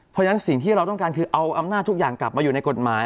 เพราะฉะนั้นสิ่งที่เราต้องการคือเอาอำนาจทุกอย่างกลับมาอยู่ในกฎหมาย